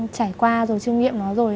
trải qua rồi chương nghiệm nó rồi